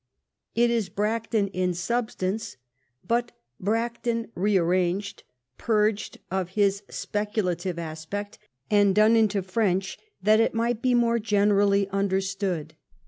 It is Bracton in substance, but Bracton rearranged, purged of his speculative aspect, and done into French that it might be more generally understood.